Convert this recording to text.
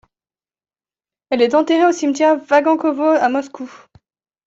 Elle est enterrée au cimetière Vagankovo à Moscou.